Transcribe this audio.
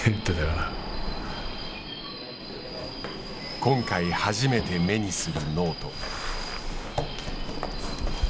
今回、初めて目にするノート。